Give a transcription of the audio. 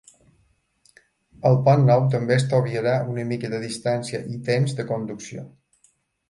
El pont nou també estalviarà una mica de distància i temps de conducció.